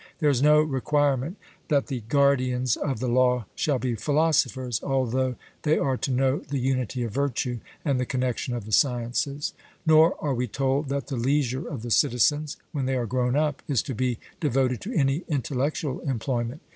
There is no requirement that the guardians of the law shall be philosophers, although they are to know the unity of virtue, and the connexion of the sciences. Nor are we told that the leisure of the citizens, when they are grown up, is to be devoted to any intellectual employment.